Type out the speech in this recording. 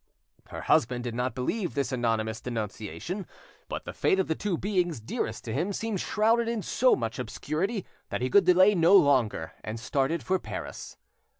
Her husband did not believe this anonymous denunciation, but the fate of the two beings dearest to him seemed shrouded in so much obscurity that he could delay no longer, and started for Paris.